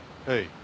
はい。